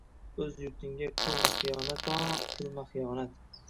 Oʼz yurtingga qilma xiyonat-o, qilma xiyonat